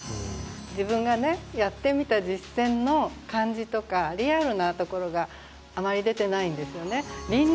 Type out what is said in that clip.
自分がやってみた実践の感じとかリアルなところがあまり出てないんですよね。